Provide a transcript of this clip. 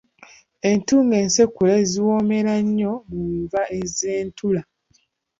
Entungo ensekule ziwoomera nnyo mu nva z’entula.